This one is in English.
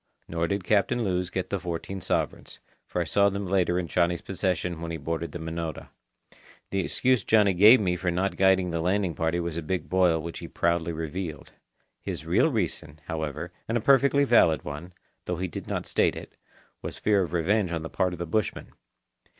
Nor did Captain Lewes get the fourteen sovereigns, for I saw them later in Johnny's possession when he boarded the Minota. The excuse Johnny gave me for not guiding the landing party was a big boil which he proudly revealed. His real reason, however, and a perfectly valid one, though he did not state it, was fear of revenge on the part of the bushmen.